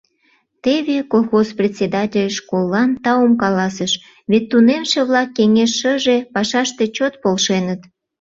Теве колхоз председатель школлан таум каласыш, вет тунемше-влак кеҥеж-шыже пашаште чот полшеныт.